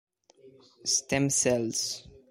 Stem Cells.